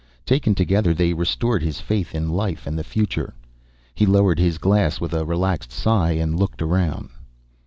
Taken together they restored his faith in life and the future. He lowered his glass with a relaxed sigh and looked around.